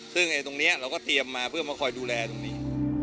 ซึ่งตรงนี้เราก็เตรียมมาเพื่อมาคอยดูแลตรงนี้